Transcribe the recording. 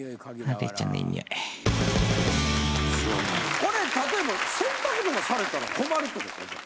これ例えば洗濯とかされたら困るってことじゃあ。